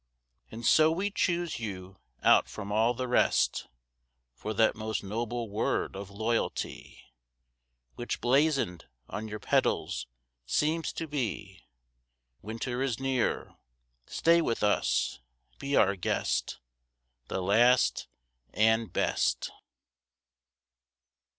And so we choose you out from all the rest, For that most noble word of "Loyalty," Which blazoned on your petals seems to be; Winter is near, stay with us; be our guest, The last and best.